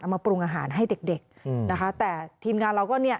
เอามาปรุงอาหารให้เด็กนะคะแต่ทีมงานเราก็นี่